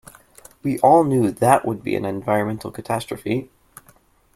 We all knew that would be an environmental catastrophe.